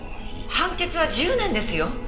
判決は１０年ですよ。